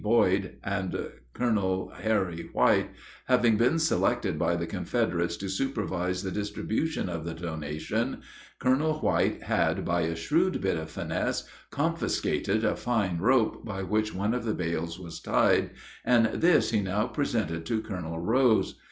Boyd, and Colonel Harry White, having been selected by the Confederates to supervise the distribution of the donation, Colonel White had, by a shrewd bit of finesse, "confiscated" a fine rope by which one of the bales was tied, and this he now presented to Colonel Rose.